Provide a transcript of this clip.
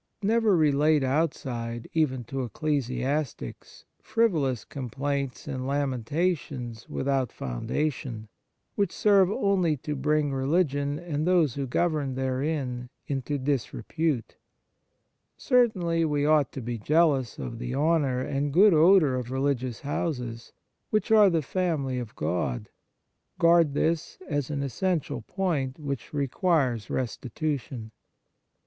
Never relate outside, even to ecclesiastics, frivolous com plaints and lamentations without foundation, which serve only to bring religion, and those who govern therein, into disrepute. Certainly, 58 Fifth Preservative we ought to be jealous of the honour and good odour of religious houses, which are the family of God. Guard this as an essential point which requires restitution."